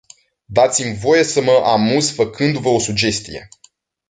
Dați-mi voie să mă amuz făcându-vă o sugestie.